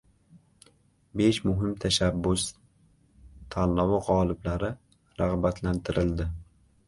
“Besh muhim tashabbus” tanlovi g‘oliblari rag‘batlantirildi